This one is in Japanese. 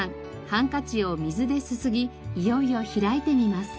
ハンカチを水ですすぎいよいよ開いてみます。